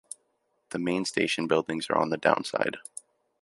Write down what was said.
The main station buildings are on the Down side.